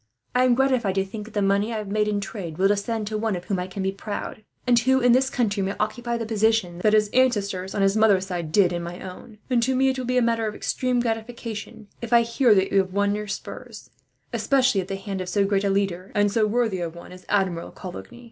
I am gratified to think that the money I have made in trade will descend to one of whom I can be proud; and who, in this country, may occupy the position that his ancestors on his mother's side did in my own; and to me it will be a matter of extreme gratification if I hear that you have won your spurs, especially at the hand of so great a leader, and so worthy a one, as Admiral Coligny.